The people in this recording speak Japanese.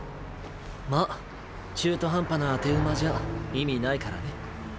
まっ中途半端な当て馬じゃ意味ないからね。